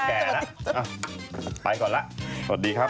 สวัสดีค่ะไปก่อนละสวัสดีครับ